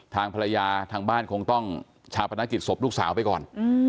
ทางภรรยาทางบ้านคงต้องชาปนกิจศพลูกสาวไปก่อน